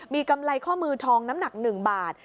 มีกำไรข้อมือทองน้ำหนัก๑บาท